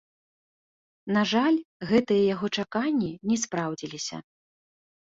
На жаль, гэтыя яго чаканні не спраўдзіліся.